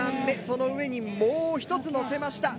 その上にもう１つのせました。